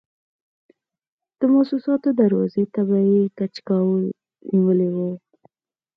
د موسساتو دروازې ته به یې کچکول نیولی و.